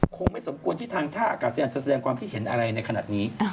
คงไม่สมควรที่ทางท่าอากาศยานจะแสดงความคิดเห็นอะไรในขณะนี้